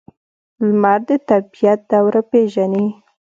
لمر د طبیعت دوره پیژني.